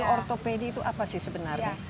ortopedi itu apa sih sebenarnya